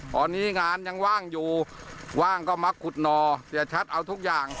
ตอนนี้งานยังว่างอยู่ว่างก็มักขุดหน่อเสียชัดเอาทุกอย่าง